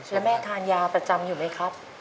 แล้วแม่ทานยาประจำอยู่ไหมครับ